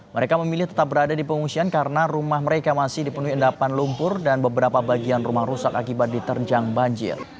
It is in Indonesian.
mereka memilih tetap berada di pengungsian karena rumah mereka masih dipenuhi endapan lumpur dan beberapa bagian rumah rusak akibat diterjang banjir